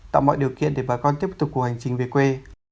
tạo mọi điều kiện để bà con tiếp tục cùng hành trình về quê